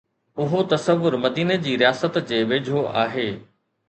اهو تصور مديني جي رياست جي ويجهو آهي.